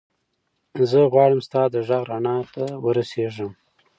زه غواړم ستا د غږ رڼا ته ورسېږم.